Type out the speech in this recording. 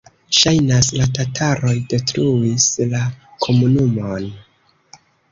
Ŝajnas, la tataroj detruis la komunumon.